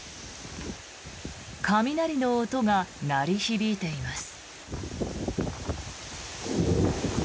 雷の音が鳴り響いています。